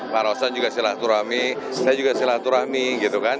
pak rosan juga silaturahmi saya juga silaturahmi gitu kan